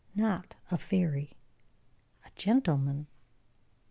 Not a fairy. A gentleman.